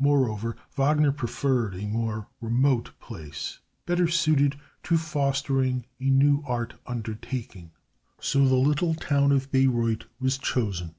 Moreover, Wagner preferred a more remote place better suited to fostering a new art undertaking. So the little town of Bayreuth was chosen.